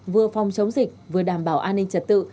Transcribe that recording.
vừa phòng chống dịch vừa đảm bảo an ninh trật tự